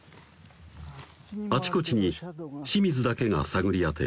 あちこちに清水だけが探り当て